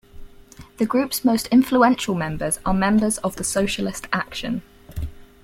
The group's most influential members are members of Socialist Action.